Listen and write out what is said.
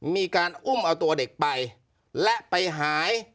มีการอุ้มเอาตัวเด็กไปและไปหาย